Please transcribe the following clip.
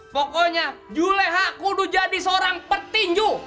pokoknya julehaku udah jadi seorang pertinju